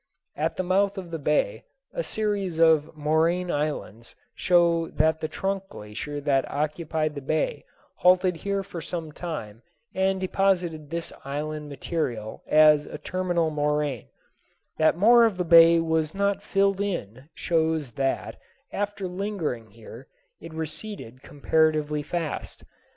At the mouth of the bay a series of moraine islands show that the trunk glacier that occupied the bay halted here for some time and deposited this island material as a terminal moraine; that more of the bay was not filled in shows that, after lingering here, it receded comparatively fast.